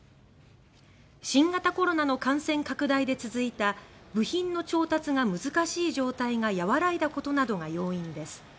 新型コロナの感染拡大で続いた部品の調達が難しい状態が和らいだことなどが要因です。